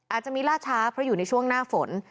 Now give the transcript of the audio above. อาจจะมีล่าช้าเพราะอยู่ในช่วงหน้าฝน